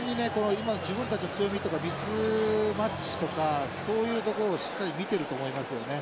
今自分たちの強みとかミスマッチとかそういうところをしっかり見てると思いますよね。